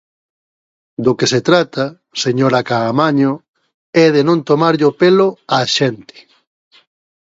Do que se trata, señora Caamaño, é de non tomarlle o pelo á xente.